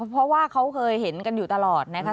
เพราะว่าเขาเคยเห็นกันอยู่ตลอดนะคะ